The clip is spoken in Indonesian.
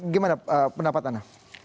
gimana pendapat anda